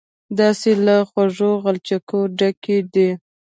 داسې له خوږو غلچکو ډکې دي.